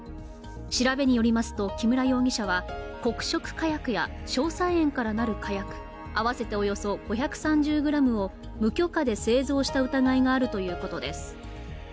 調べによりますと、木村容疑者は黒色火薬や硝酸塩からなる火薬、合わせておよそ５３０ｇを無許可で製造した疑いがあるということです。